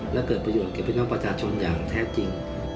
และเกิดประโยชน์กับพี่น้องประชาชนอย่างแท้จริง